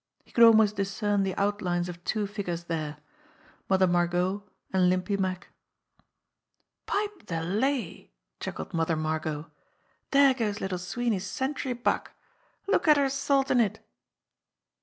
He could almost discern the outlines of two figures there Mother Margot and Limpy Mack. "Pipe de lay!" chuckled Mother Margot. "Dere goes Little Sweeney's century buck. Look at her saltin' it